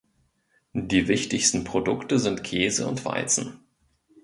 Die wichtigsten Produkte sind Käse und Weizen.